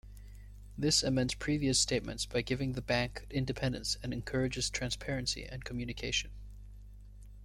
This amends previous statements by giving the bank independence and encourages transparency and communication.